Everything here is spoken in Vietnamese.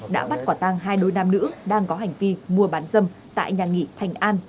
đã bắt quả tang hai đôi nam nữ đang có hành vi mua bán dâm tại nhà nghỉ thành an